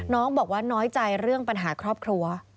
น้องบอกว่าน้อยใจเรื่องปัญหาครอบครัว